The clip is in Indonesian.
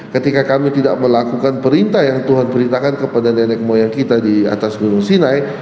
ketika kami tidak melakukan perintah yang tuhan perintahkan kepada nenek moyang kita di atas gunung sinai